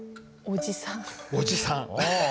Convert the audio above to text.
「おじさん」？